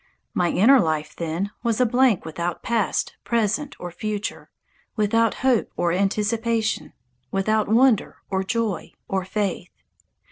My inner life, then, was a blank without past, present, or future, without hope or anticipation, without wonder or joy or faith.